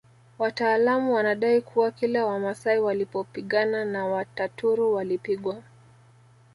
Wataalamu wanadai kuwa kila Wamasai walipopigana na Wataturu walipigwa